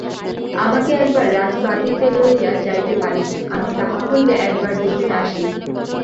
আমাকে একবার রাজবাটীতে লইয়া যাইতে পারিস, আমি তাহা হইলে একবার দেখিয়া আসি।